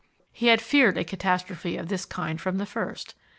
He had feared a catastrophe of this kind from the first.